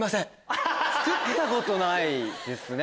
作ったことないですね。